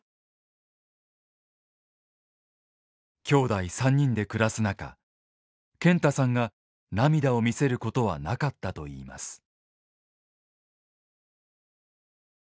きょうだい３人で暮らす中健太さんが涙を見せることはなかったといいます。